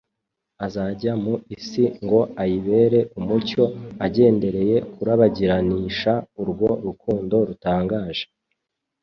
Azajya mu isi ngo ayibere umucyo, agendereye kurabagiranisha urwo rukundo rutangaje.